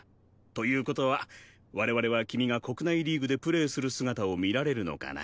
という事は我々は君が国内リーグでプレーする姿を見られるのかな？